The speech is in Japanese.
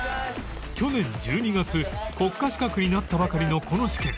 去年１２月国家資格になったばかりのこの試験